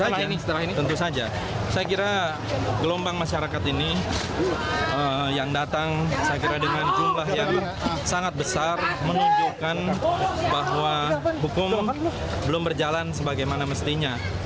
ya setelah ini tentu saja saya kira gelombang masyarakat ini yang datang saya kira dengan jumlah yang sangat besar menunjukkan bahwa hukum belum berjalan sebagaimana mestinya